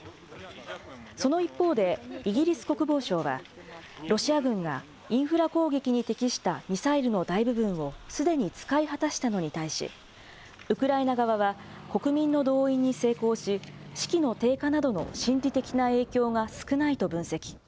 その一方で、イギリス国防省はロシア軍がインフラ攻撃に適したミサイルの大部分をすでに使い果たしたのに対し、ウクライナ側は、国民の動員に成功し、士気の低下などの心理的な影響が少ないと分析。